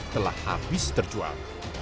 telah habis terjual